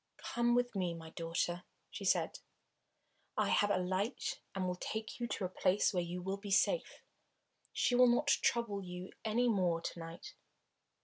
"Come with me, my daughter," she said. "I have a light and will take you to a place where you will be safe. She will not trouble you any more to night.